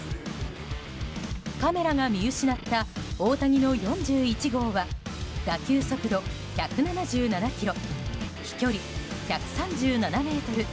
カメラが見失った大谷の４１号は打球速度１７７キロ飛距離１３７ｍ。